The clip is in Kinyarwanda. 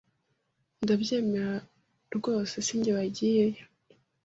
Ndabyemera rwose sijye wagiyeyo.